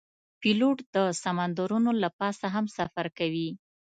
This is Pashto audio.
پیلوټ د سمندرونو له پاسه هم سفر کوي.